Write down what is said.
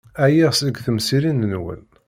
Ɛyiɣ seg temsirin-nwen.